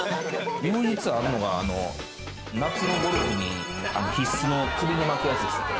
唯一あるのが、夏のゴルフに必須の首に巻くやつですね。